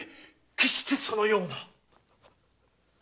決してそのような。